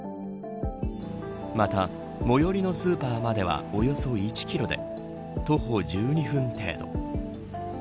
また最寄のスーパーまではおよそ１キロで徒歩１２分程度。